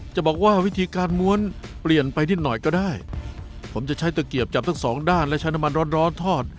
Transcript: จะบอกว่าวิธีการม้วนเปลี่ยนไปนิดหน่อยก็ได้ผมจะใช้ตะเกียบจับทั้งสองด้านและใช้น้ำมันร้อนร้อนทอด